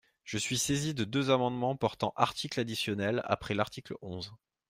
Je suis saisi de deux amendements portant articles additionnels après l’article onze.